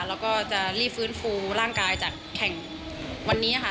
แล้วก็จะรีบฟื้นฟูร่างกายจากแข่งวันนี้ค่ะ